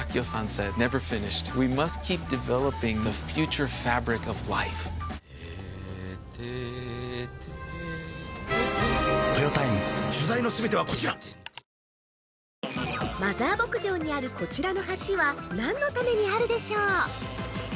それとも◆マザー牧場にあるこちらの橋は何のためにあるでしょう？